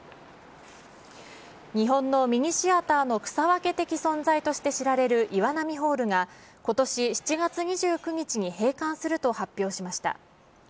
日本のミニシアターの草分け的存在として知られる岩波ホールが、ことし７月２９日に閉館すると発表しました。